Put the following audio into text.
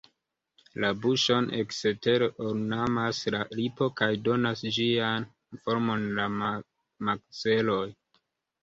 La buŝon ekstere ornamas la lipo kaj donas ĝian formon la makzeloj.